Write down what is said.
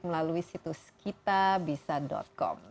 melalui situs kitabisa com